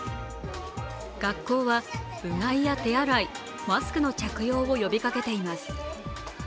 学校はうがいや手洗いマスクの着用を呼びかけています。